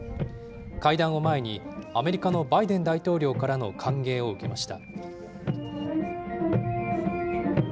会談を前にアメリカのバイデン大統領からの歓迎を受けました。